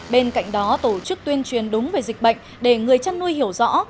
bên cạnh đó tổ chức tuyên truyền đúng về dịch bệnh để người chăn nuôi hiểu rõ